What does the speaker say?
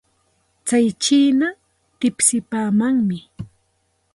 Tsay chiina tipsipaamanmi.